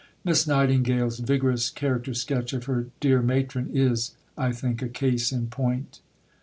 Miss Nightingale's vigorous character sketch of her "dear Matron" is, I think, a case in point.